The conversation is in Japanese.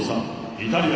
イタリア。